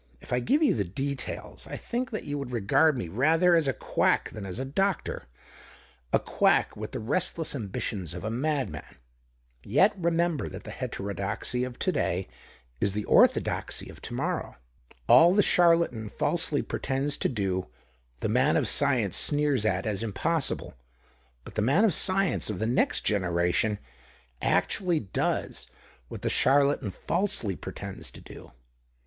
If I gave you the details, I think that you would regard me rather as a quack than as a doctor — a quack with the restless ambitions of a mad man. Yet re member that the heterodoxy of to day is the THE OCTAVE OF CLAUDIUS. 105 orthodoxy of to morrow. AVliat the charlatan falsely pretends to do, the man of science sneers at as impossible ; but the man of science of the next generation actually does what that charlatan falsely pretends to do.